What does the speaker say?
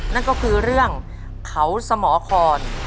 นั่นก็คือเรื่องเขาสมคร